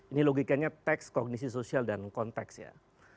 ini logikanya teks kognisi sosial dan konteks ya